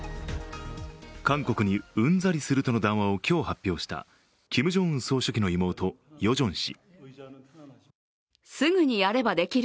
韓国に、うんざりするとの談話を今日発表したキム・ジョンウン総書記の妹、ヨジョン氏。